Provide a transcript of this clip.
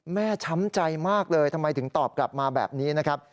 ช้ำใจมากเลยทำไมถึงตอบกลับมาแบบนี้นะครับ